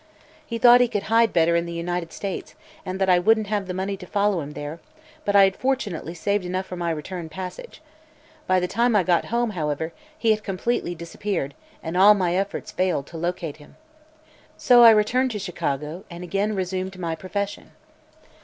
He thought he could hide better in the United States and that I wouldn't have the money to follow him there, but I had fortunately saved enough for my return passage. By the time I got home, however, he had completely disappeared and all my efforts failed to locate him. So I returned to Chicago and again resumed my profession.